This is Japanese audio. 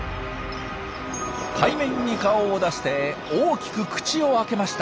海面に顔を出して大きく口を開けました。